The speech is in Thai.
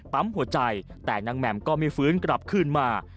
ปั๊มหัวใจแต่นางแหม่มก็ไม่ฟื้นกลับคืนมา